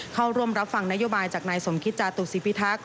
เข้าร่วมรับฝั่งนโยบายจากนายสมคริตจาตุฤทธีภิทักดิ์